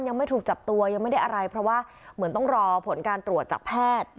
ยังไม่ถูกจับตัวยังไม่ได้อะไรเพราะว่าเหมือนต้องรอผลการตรวจจากแพทย์